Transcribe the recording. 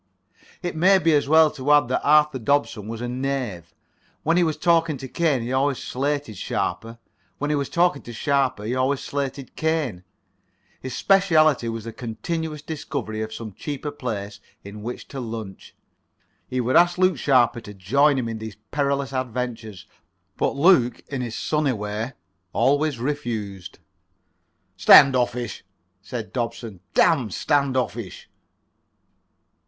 It may be as well to add that Arthur Dobson was a knave. When he was talking to Cain he always slated Sharper. When he was talking to Sharper he always slated Cain. His specialty was the continuous discovery of some cheaper place in which to lunch. He would ask Luke Sharper to join him in these perilous adventures, but Luke, in his sunny way, always refused. "Standoffish," said Dobson. "Damn standoffish."